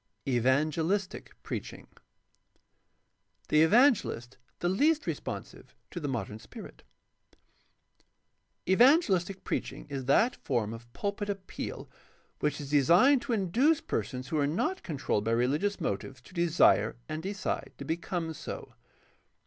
6. EVANGELISTIC PREACmNG The evangelist the least responsive to the modern spirit. — Evangelistic preaching is that form of pulpit appeal which is designed to induce persons who are not controlled by religious motives to desire and decide to become so.